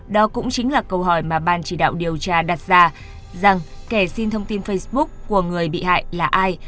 đó cũng chính là câu hỏi mà ban chỉ đạo điều tra đặt ra rằng kẻ xin thông tin facebook của người bị hại là ai